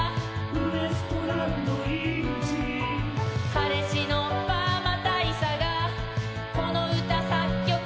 「彼氏のパーマ大佐がこの歌作曲しました」